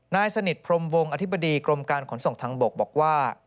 นายสนิทพรมวงอธิบดีกรมการขนส่งทางบกบอกว่า